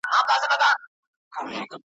د آمو مستو څپوکي ,